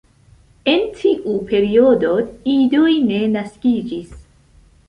En tiu periodo idoj ne naskiĝis.